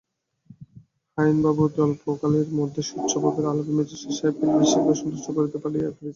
হারানবাবু অতি অল্পকালের মধ্যেই উচ্চভাবের আলাপে ম্যাজিস্ট্রেট সাহেবকে বিশেষ সন্তুষ্ট করিতে পারিয়াছিলেন।